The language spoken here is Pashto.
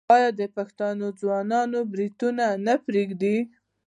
آیا د پښتنو ځوانان بروتونه نه پریږدي؟